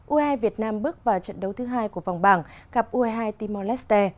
ue hai việt nam bước vào trận đấu thứ hai của vòng bảng gặp ue hai team oleské